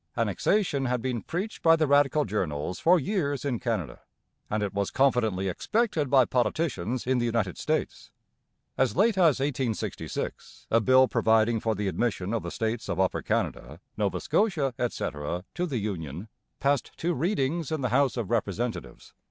Annexation had been preached by the Radical journals for years in Canada; and it was confidently expected by politicians in the United States. As late as 1866 a bill providing for the admission of the states of Upper Canada, Nova Scotia, etc., to the Union passed two readings in the House of Representatives.